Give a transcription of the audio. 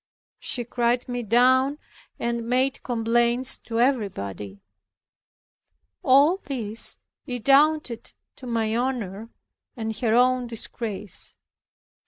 She cried me down, and made complaints to everybody. All this redounded to my honor and her own disgrace.